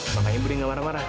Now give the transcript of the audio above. makanya budi nggak marah marah